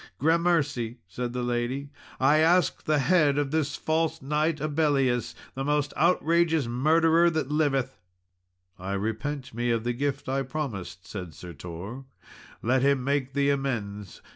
"Grammercy," said the lady, "I ask the head of this false knight Abellius, the most outrageous murderer that liveth." "I repent me of the gift I promised," said Sir Tor. "Let him make thee amends for all his trespasses against thee."